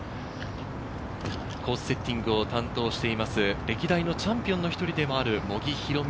コースセッティングを担当しています、歴代のチャンピオンの１人でもある茂木宏美